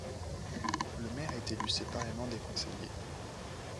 Le maire est élu séparément des conseillers.